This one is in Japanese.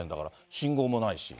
信号もないし。